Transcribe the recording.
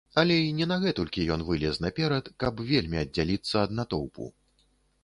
Але і не на гэтулькі ён вылез наперад, каб вельмі аддзяліцца ад натоўпу.